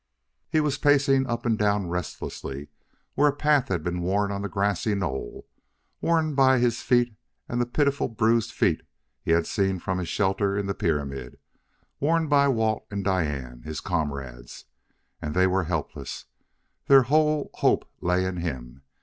He was pacing up and down restlessly where a path had been worn on the grassy knoll, worn by his feet and the pitiful, bruised feet he had seen from his shelter in the pyramid; worn by Walt and Diane his comrades! And they were helpless; their whole hope lay in him!